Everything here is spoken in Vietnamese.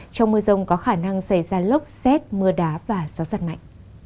trong mưa rông có khả năng xảy ra lốc xét mưa đá và gió giật mạnh